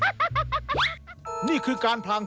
และคู่อย่างฉันวันนี้มีความสุขจริง